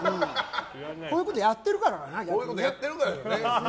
こういうことやってるからかな？